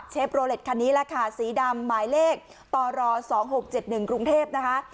เชฟโรเล็ตคันนี้แหละค่ะสีดำหมายเลขต่อรอสองหกเจ็ดหนึ่งกรุงเทพนะคะ